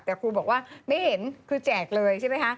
แต่ครูบอกว่าไม่เห็นคือแจกเลยใช่ไหมคะ